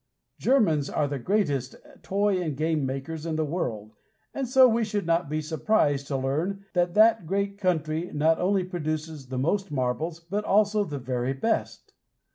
Germans are the greatest toy and game makers in the world, and so we should not be surprised to learn that that great country not only produces the most marbles, but also the very best.